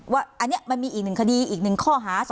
ว่าอันเนี้ยมันมีอีกหนึ่งคดีอีกหนึ่งข้อหา